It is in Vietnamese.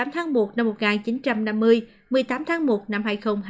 một mươi tháng một năm một nghìn chín trăm năm mươi một mươi tám tháng một năm hai nghìn hai mươi